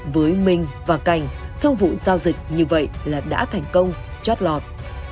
với minh và cảnh thương vụ giao dịch như vậy là đã thành công chót lọt